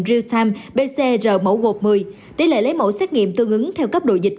real time pcr mẫu gộp một mươi tỷ lệ lấy mẫu xét nghiệm tương ứng theo cấp độ dịch